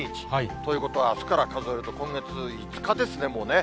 ということは、あすから数えると今月、５日ですね、もうね。